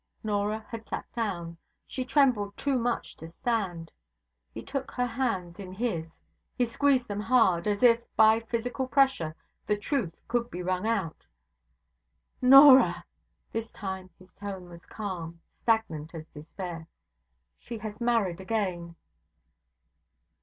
Norah had sat down. She trembled too much to stand. He took her hands in his. He squeezed them hard, as if, by physical pressure, the truth could be wrung out. 'Norah.' This time his tone was calm, stagnant as despair. 'She has married again!'